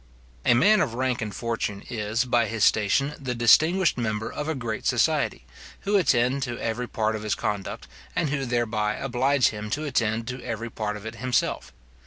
A man of rank and fortune is, by his station, the distinguished member of a great society, who attend to every part of his conduct, and who thereby oblige him to attend to every part of it himself.